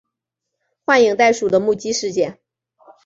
幻影袋鼠的目击事件。